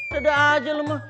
dada aja lu mah